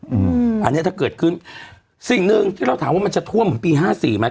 อืมอันเนี้ยถ้าเกิดขึ้นสิ่งหนึ่งที่เราถามว่ามันจะท่วมเหมือนปีห้าสี่ไหม